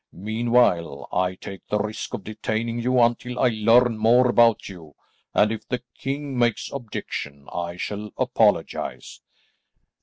Meanwhile, I take the risk of detaining you until I learn more about you, and if the king makes objection, I shall apologise."